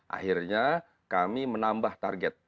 akhirnya kami menambah target